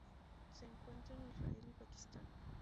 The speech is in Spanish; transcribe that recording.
Se encuentra en Israel y Pakistán.